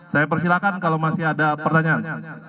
saya persilahkan kalau masih ada pertanyaan